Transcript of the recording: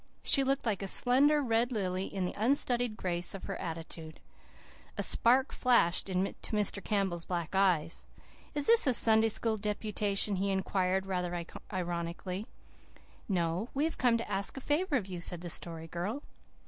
She looked like a slender red lily in the unstudied grace of her attitude. A spark flashed into Mr. Campbell's black eyes. "Is this a Sunday School deputation?" he inquired rather ironically. "No. We have come to ask a favour of you," said the Story Girl.